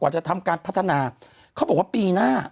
จะทำการพัฒนาเขาบอกว่าปีหน้า